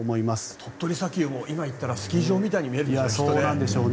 鳥取砂丘も今行ったらスキー場みたいに見えるでしょうね。